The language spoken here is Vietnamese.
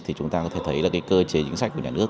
thì chúng ta có thể thấy là cái cơ chế chính sách của nhà nước